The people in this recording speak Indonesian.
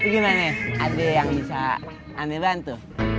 gimana ada yang bisa anda bantu